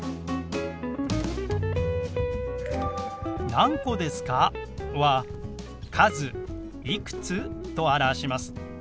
「何個ですか？」は「数いくつ？」と表します。